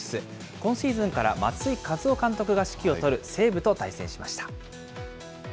今シーズンから松井稼頭央監督が指揮を執る西武と対戦しました。